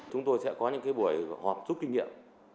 chúng tôi sẽ có những buổi họp rút kinh nghiệm